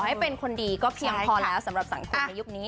ให้เป็นคนดีก็เพียงพอแล้วสำหรับสังคมในยุคนี้